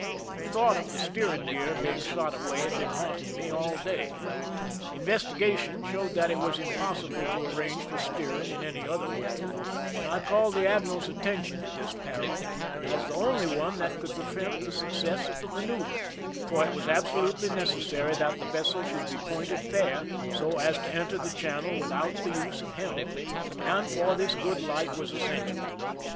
The thought of the steering gear being shot away had been haunting me all day. Inves tigation showed that it was impossible to arrange for steering in any other way, and I called the admiral's attention to this peril as the only one that could prevent the success of the manoeuver ; for it was absolutely necessary that the vessel should be pointed fair so as to enter the channel without the use of helm, and for this good light was essential.